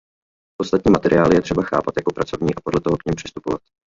Ostatní materiály je třeba chápat jako pracovní a podle toho k nim přistupovat.